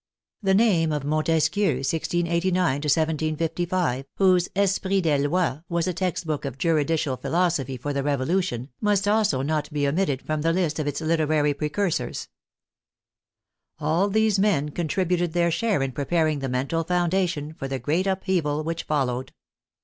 The name of Montesquieu (1689 1755), whose Esprit des Lois was a text book of juridical philosophy for the Revolution, must also not be omitted from the list of its literary precursors. All these men contributed their share in preparing the mental foundation for the great upheaval which followed.